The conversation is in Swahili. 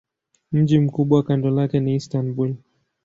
Mji mkubwa kando lake ni Istanbul.